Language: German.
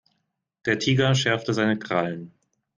Der Tiger schärfte seine Krallen.